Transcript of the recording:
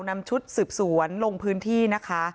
นำชุดสืบสวนลงพื้นที่นะคะ